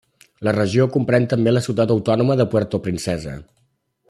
La regió comprèn també la ciutat autònoma de Puerto Princesa.